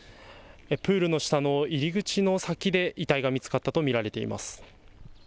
プールの下の入り口の先で遺体が見つかったと見られています。